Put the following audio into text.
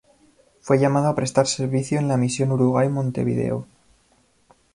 Fue llamado a prestar servicio en la misión Uruguay Montevideo.